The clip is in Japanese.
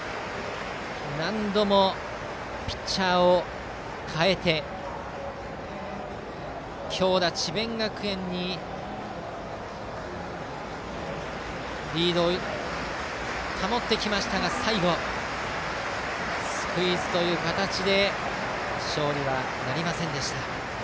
何度もピッチャーを代えて強打・智弁学園にリードを保ってきましたが最後、スクイズという形で勝利はなりませんでした。